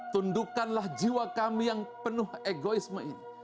tundukkanlah jiwa kami yang penuh egoisme ini